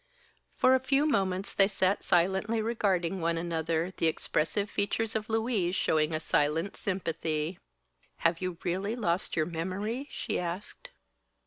For a few moments they sat silently regarding one another, the expressive features of Louise showing a silent sympathy. "Have you really lost your memory?" she asked.